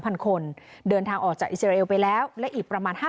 พันคนเดินทางออกจากอิสราเอลไปแล้วและอีกประมาณห้า